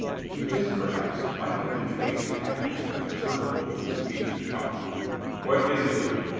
To this, perhaps, might have been traced the acrimony observable in the speech of Calhoun. "What is it, Loo?"